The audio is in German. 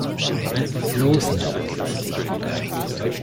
Bloß nicht!